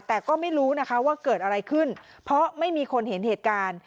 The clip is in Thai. แต่ก็ไม่รู้นะคะว่าเกิดอะไรขึ้นเพราะไม่มีคนเห็นเหตุการณ์